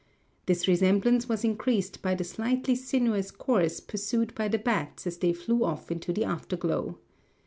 This resemblance was increased by the slightly sinuous course pursued by the bats as they flew off into the afterglow.